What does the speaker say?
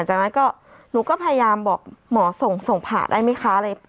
จากนั้นก็หนูก็พยายามบอกหมอส่งส่งผ่าได้ไหมคะอะไร